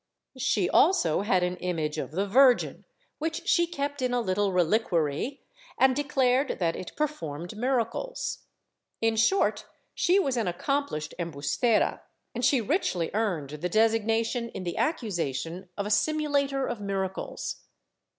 She also had an image of the Virgin, which she kept in a little reliquary and declared that it performed miracles. In short, she was an accomplished embustera, and she richly earned the designation in the accusation of a simulator of miracles.